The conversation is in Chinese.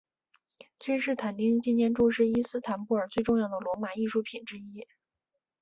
君士坦丁纪念柱是伊斯坦布尔最重要的罗马艺术品之一。